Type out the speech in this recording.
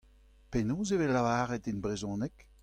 Penaos e vez lavaret e brezhoneg ?